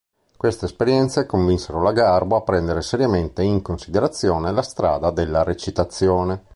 Queste esperienze convinsero la Garbo a prendere seriamente in considerazione la strada della recitazione.